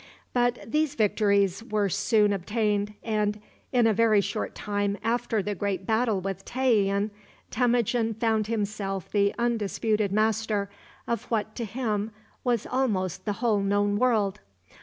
But these victories were soon obtained, and, in a very short time after the great battle with Tayian, Temujin found himself the undisputed master of what to him was almost the whole known world.